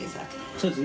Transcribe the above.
そうです。